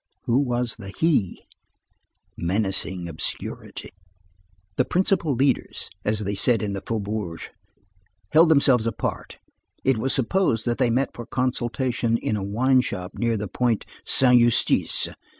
Who was the he? Menacing obscurity. "The principal leaders," as they said in the faubourg, held themselves apart. It was supposed that they met for consultation in a wine shop near the point Saint Eustache.